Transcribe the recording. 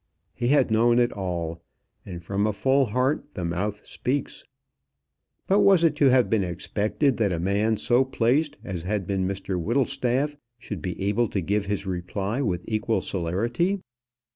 He had known it all, and from a full heart the mouth speaks. But was it to have been expected that a man so placed as had been Mr Whittlestaff, should be able to give his reply with equal celerity?